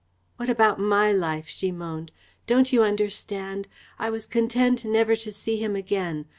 "What about my life?" she moaned. "Don't you understand? I was content never to see him again.